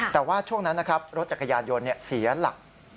แต่ว่าช่วงนั้นนะครับรถจักรยานยนต์เสียหลัก